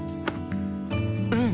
うん！